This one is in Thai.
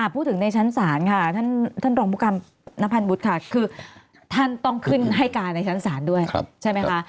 พูดถึงในชั้นศาลค่ะท่านรองผู้กรรมนพันธ์วุฒิค่ะคือท่านต้องขึ้นให้การในชั้นศาลด้วยใช่ไหมคะ